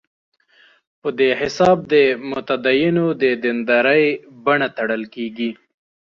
په دې حساب د متدینو د دیندارۍ بڼه تړل کېږي.